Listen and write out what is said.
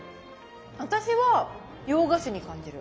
私は洋菓子に感じる。